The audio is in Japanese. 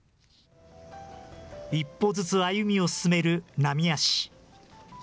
一歩ずつ歩みを進める常歩。